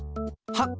はっ！